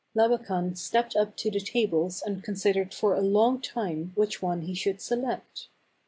Labakan stepped up to the tables and consid ered for a long time which one he should select.